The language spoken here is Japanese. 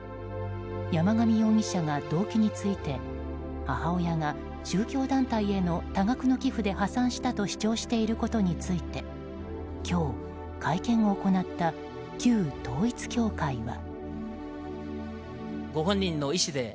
山上容疑者が動機について母親が宗教団体への多額の寄付で破産したと主張していることについて今日、会見を行った旧統一教会は。